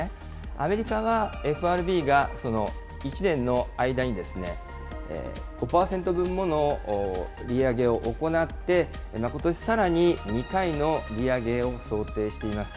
アメリカはＦＲＢが１年の間に５％分もの利上げを行って、ことしさらに２回の利上げを想定しています。